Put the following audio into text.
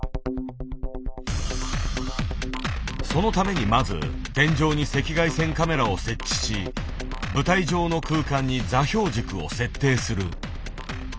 そのためにまず天井に赤外線カメラを設置し舞台上の空間に座標軸を設定する。